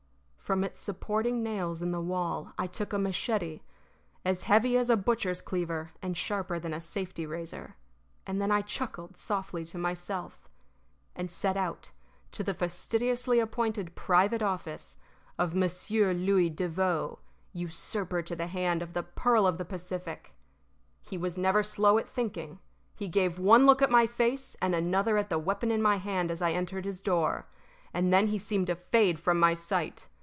From its supporting nails in the wall I took a machete as heavy as a butcher's cleaver and sharper than a safety razor. And then I chuckled softly to myself, and set out to the fastidiously appointed private office of Monsieur Louis Devoe, usurper to the hand of the Pearl of the Pacific. He was never slow at thinking; he gave one look at my face and another at the weapon in my hand as I entered his door, and then he seemed to fade from my sight.